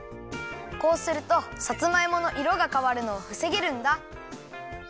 こうするとさつまいものいろがかわるのをふせげるんだ。